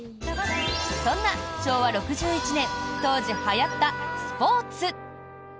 そんな昭和６１年当時はやったスポーツ！